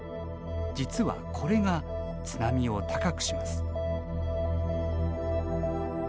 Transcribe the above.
実はこれが、津波を高くします。